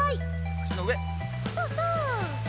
そうそう！